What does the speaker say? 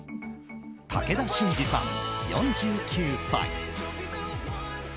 武田真治さん、４９歳。